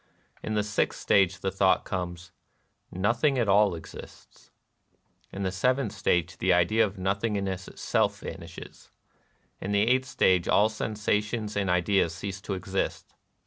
] In the sixth stage the thought comes, '•^Nothing at all exists^ In the seventh stage the idea of nothingness itself vanishes. In the eighth stage all sensations and ideas cease to exist.